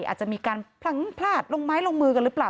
อาจจะมีการพลั้งพลาดลงไม้ลงมือกันหรือเปล่า